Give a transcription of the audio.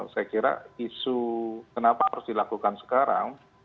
saya kira isu kenapa harus dilakukan sekarang